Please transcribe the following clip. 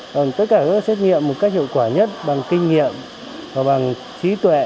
còn tất cả các xét nghiệm một cách hiệu quả nhất bằng kinh nghiệm và bằng trí tuệ